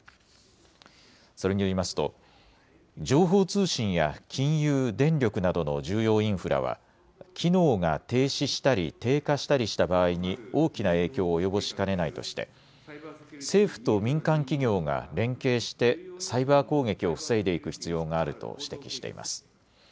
それによりますと情報通信や金融、電力などの重要インフラは機能が停止したり低下したりした場合に大きな影響を及ぼしかねないとして政府と民間企業が連携してサイバー攻撃を防いでいく必要があると指摘しています。